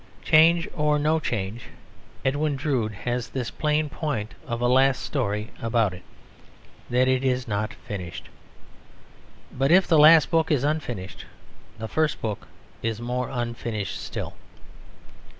Change or no change, Edwin Drood has this plain point of a last story about it: that it is not finished. But if the last book is unfinished, the first book is more unfinished still.